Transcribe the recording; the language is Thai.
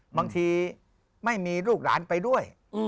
บางทีไม่มีลูกหลานไปด้วย